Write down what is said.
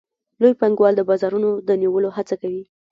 لوی پانګوال د بازارونو د نیولو هڅه کوي